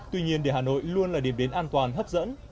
tuy nhiên để hà nội luôn là điểm đến an toàn hấp dẫn